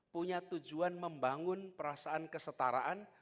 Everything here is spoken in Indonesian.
punya tujuan membangun perasaan kesetaraan